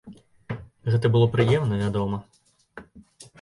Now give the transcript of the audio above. Гэта было прыемна, вядома!